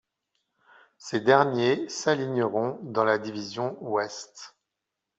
Ces derniers s'aligneront dans la division Ouest.